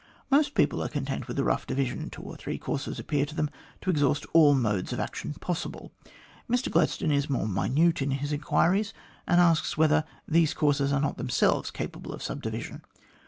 Most people are content with a rough division ; two or three courses appear to them to exhaust all the modes of action possible ; Mr Gladstone is more minute in his inquiries, and asks whether these courses are not themselves capable of subdivision.